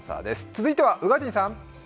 続いては宇賀神さん。